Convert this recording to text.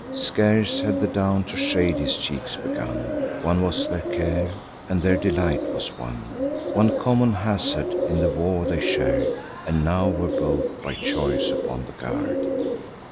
Scarce had the down to shade his cheeks begun. One was their care, and their delight was one: One common hazard in the war they shar'd, And now were both by choice upon the guard.